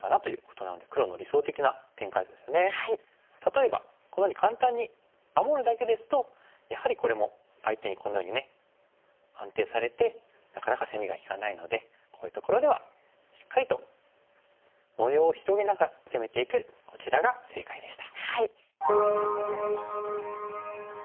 例えばこのように簡単に守るだけですとやはりこれも相手にこのように安定されてなかなか攻めが利かないのでこういうところではしっかりと模様を広げながら攻めていくこちらが正解でした。